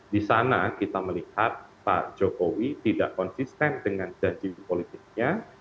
di sana kita melihat pak jokowi tidak konsisten dengan janji politiknya